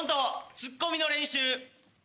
「ツッコミの練習」。